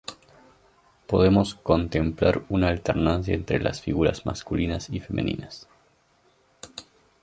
Podemos contemplar una alternancia entre las figuras masculinas y femeninas.